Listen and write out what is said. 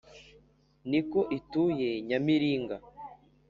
ni ko ituye nyamiringa.